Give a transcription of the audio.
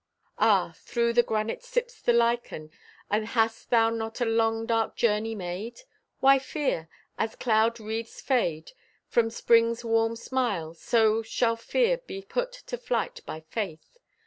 Ah, through the granite sips the lichen— And hast thou not a long dark journey made? Why fear? As cloud wreaths fade From spring's warm smile, so shall fear Be put to flight by faith.